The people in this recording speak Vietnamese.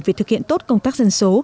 về thực hiện tốt công tác dân số